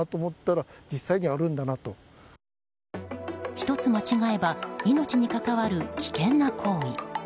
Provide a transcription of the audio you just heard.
１つ間違えば命に関わる危険な行為。